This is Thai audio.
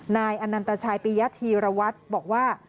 นายอนันตชัยปียธีรวัตรบอกว่า